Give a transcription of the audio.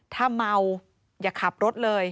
ถ้าเมาอย่าขับรถเลย